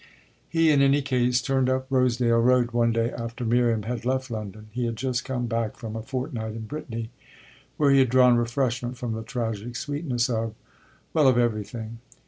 He in any case turned up Rosedale Road one day after Miriam had left London; he had just come back from a fortnight in Brittany, where he had drawn refreshment from the tragic sweetness of well, of everything.